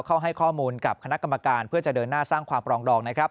ให้ข้อมูลกับคณะกรรมการเพื่อจะเดินหน้าสร้างความปรองดองนะครับ